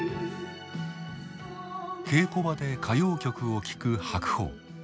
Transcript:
稽古場で歌謡曲を聴く白鵬。